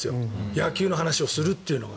野球の話をするというのが。